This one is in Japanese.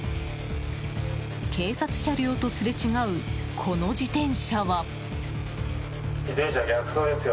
警察車両とすれ違うこの自転車は。